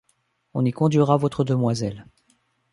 On y conduira votre demoiselle.